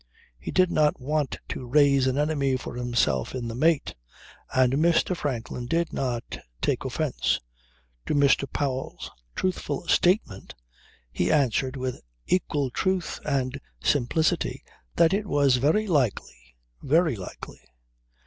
He did not want to raise an enemy for himself in the mate. And Mr. Franklin did not take offence. To Mr. Powell's truthful statement he answered with equal truth and simplicity that it was very likely, very likely.